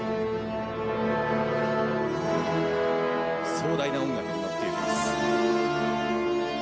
壮大な音楽に乗っていきます。